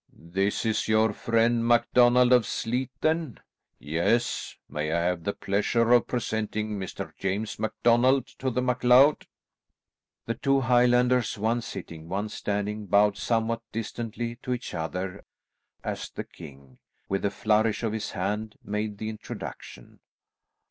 "This is your friend MacDonald of Sleat then?" "Yes. May I have the pleasure of presenting Mr. James MacDonald to the MacLeod?" The two Highlanders, one sitting, one standing, bowed somewhat distantly to each other as the king, with a flourish of his hand, made the introduction.